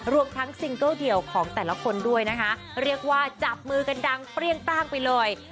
รวมทั้งซิงเกิลเดี่ยวของแต่ละคนด้วยนะคะเรียกว่าจับมือกันดังเปรี้ยงป้างไปเลย